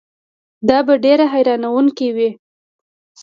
دا به ډېره حیرانوونکې وي.